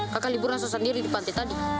kakak libur langsung sendiri di pantai tadi